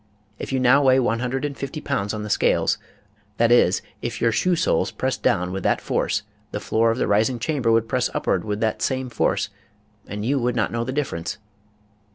If you now weigh one hun dred and fifty pounds on the scales, that is, if your shoe soles press down with that force, the floor of the rising chamber would press upward with that same force and you would not know the difference.